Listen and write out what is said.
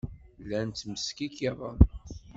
Llan ttmeskikkiḍen.